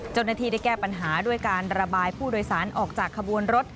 เจ้าหน้าที่ได้แก้ปัญหาด้วยการระบายผู้โดยสารออกจากขบวนรถ